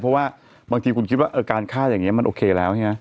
เพราะว่าบางทีคุณคิดว่าการฆ่าอย่างนี้มันโอเคแล้วใช่ไหม